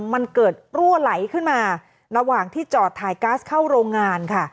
มันเกิดรั่วไหลขึ้นมาระหว่างที่จอดถ่ายก๊าซเข้าโรงงานค่ะ